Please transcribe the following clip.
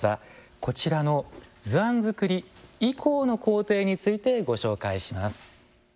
こちらの図案作り以降の工程についてご紹介します。